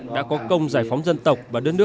đã có công giải phóng dân tộc